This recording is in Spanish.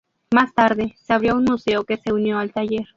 Más tarde se abrió un museo que se unió al taller.